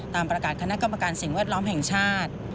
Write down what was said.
ตามประกาศคณะกรรมการสิ่งแวดล้อมแห่งชาติ